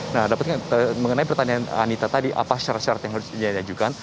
nah dapatkan mengenai pertanyaan anita tadi apa syarat syarat yang harus diajukan